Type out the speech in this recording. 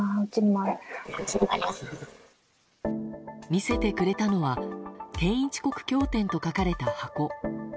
見せてくれたのは「天一国経典」と書かれた箱。